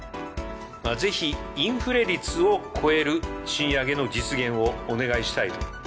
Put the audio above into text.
ぜひインフレ率を超える賃上げの実現をお願いしたいと。